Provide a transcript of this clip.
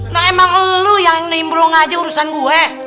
nah emang lu yang nimbrong aja urusan gue